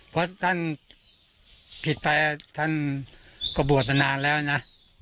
เพราะท่านผิดไปท่านก็บวชมานานแล้วนะ